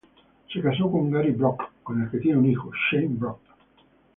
Se casó con Gary Brock, con el que tiene un hijo, Shane Brock.